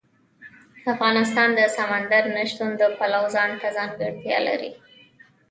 افغانستان د سمندر نه شتون د پلوه ځانته ځانګړتیا لري.